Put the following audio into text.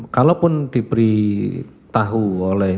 kalaupun diberi tahu oleh